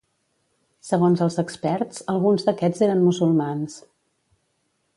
Segons els experts, alguns d'aquests eren musulmans.